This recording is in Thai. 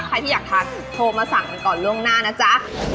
ใครที่อยากทานโทรมาสั่งกันก่อนล่วงหน้านะจ๊ะ